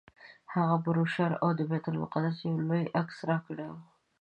هغه بروشر او د بیت المقدس یو لوی عکس راکړی و.